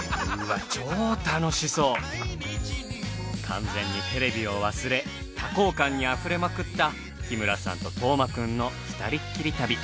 完全にテレビを忘れ多幸感にあふれまくった日村さんと斗真くんのふたりっきり旅。